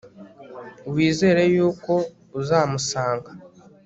wizere y'uko uzamusanga